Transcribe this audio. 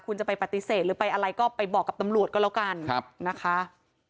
คุณจะไปปฏิเสธหรือไปอะไรก็ไปบอกกับตำรวจก็แล้วกันนะคะ